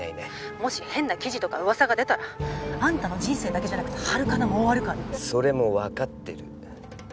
もし変な記事とか噂が出たらあんたの人生だけじゃなくてハルカナも終わるからそれも分かってる